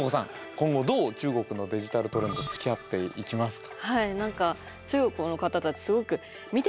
今後どう中国のデジタルトレンドつきあっていきますか？